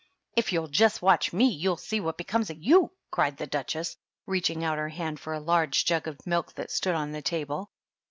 "If you'll just watch me, you'll see what be comes of you /" cried the Duchess, reaching out her hand for a large jug of milk that stood on the table.